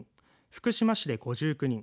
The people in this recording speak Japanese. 福島市で５９人